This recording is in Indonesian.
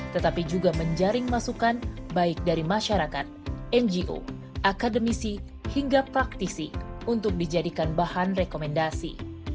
tetapi juga menjaring masukan baik dari masyarakat ngo akademisi hingga praktisi untuk dijadikan bahan rekomendasi